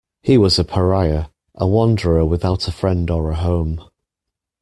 He was a pariah; a wanderer without a friend or a home.